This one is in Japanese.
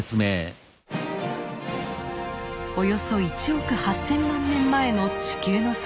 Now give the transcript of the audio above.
およそ１億８，０００万年前の地球の姿です。